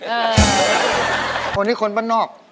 โดนที่คนบ้านนอก